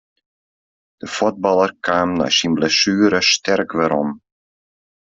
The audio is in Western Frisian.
De fuotballer kaam nei syn blessuere sterk werom.